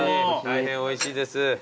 大変おいしいです。